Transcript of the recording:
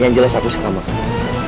yang jelas aku suka sama kamu